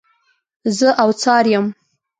زه اوڅار یم.